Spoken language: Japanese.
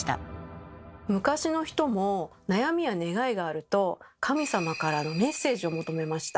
昔の人も悩みや願いがあると神様からのメッセージを求めました。